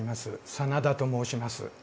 真田と申します。